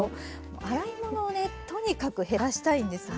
洗い物をねとにかく減らしたいんですね。